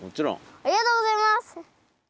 ありがとうございます！